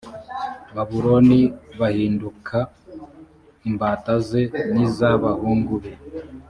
babuloni bahinduka imbata ze n’iz’abahungu be